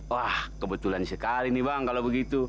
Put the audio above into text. wah kebetulan sekali nih bang kalau begitu